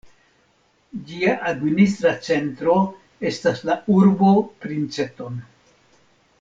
Ĝia administra centro estas la urbo Princeton.